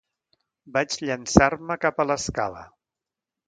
Vaig llançar-me cap a l’escala.